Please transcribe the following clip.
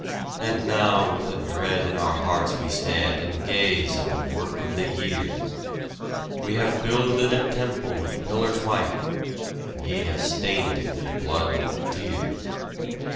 And now with a dread in our hearts we stand and gaze at the work of the years We have builded a temple with pillars white, ye have stained it with blood and tears!